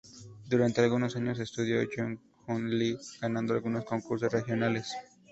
Durante algunos años estudió con Jung-Hyun Lee, ganando algunos concursos regionales.